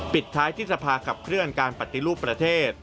ปิดท้ายที่สภาขับเคลื่อนการปฏิรูปประเทศ